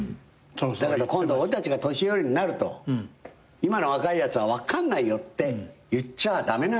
だから今度俺たちが年寄りになると今の若いやつは分かんないよって言っちゃあ駄目なんだと。